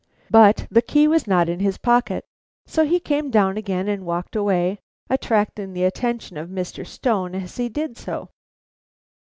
But the key was not in his pocket, so he came down again and walked away, attracting the attention of Mr. Stone as he did so.